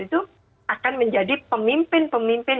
itu akan menjadi pemimpin pemimpin